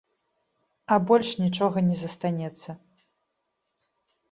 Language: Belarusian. А больш нічога не застанецца.